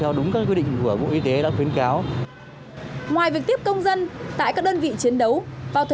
hãy đăng ký kênh để nhận thông tin nhất